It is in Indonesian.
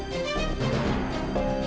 sampai jumpa lagi